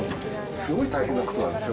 すごい大変なことなんですよ。